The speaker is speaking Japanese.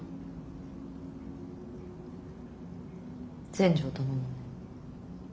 全成殿もね。